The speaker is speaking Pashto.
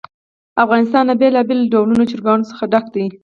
افغانستان له بېلابېلو ډولو چرګانو څخه ډک دی.